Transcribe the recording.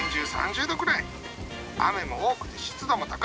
雨も多くて湿度も高い。